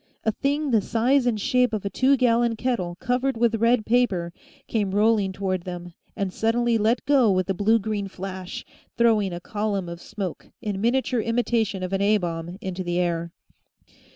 A thing the size and shape of a two gallon kettle, covered with red paper, came rolling toward them, and suddenly let go with a blue green flash, throwing a column of smoke, in miniature imitation of an A bomb, into the air.